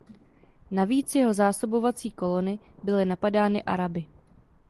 Navíc jeho zásobovací kolony byly napadány Araby.